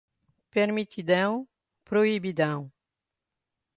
permitidão, proibidão